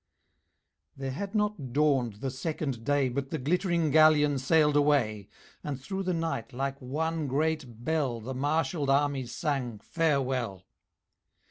There had not dawned the second day But the glittering galleon sailed away, And through the night like one great bell The marshalled armies sang farewell.